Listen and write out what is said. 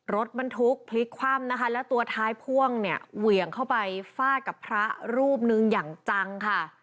รถบรรทุกพลิกคว่ำนะคะแล้วตัวท้ายพ่วงเนี่ยเหวี่ยงเข้าไปฟาดกับพระรูปหนึ่งอย่างจังค่ะ